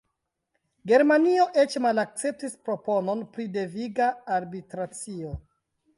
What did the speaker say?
Germanio eĉ malakceptis proponon pri deviga arbitracio.